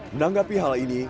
menanggapi hal ini